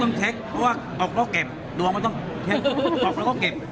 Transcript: ต้องเช็คเพราะว่าออกแล้วก็เก็บ